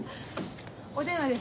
お電話です。